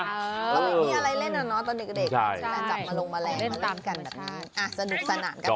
ก็ไม่มีอะไรเล่นอะเนาะตอนเด็กจับมาลงแมลงมาเล่นกันแบบนั้นสนุกสนานกัน